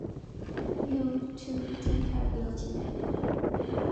You, too, think her guilty!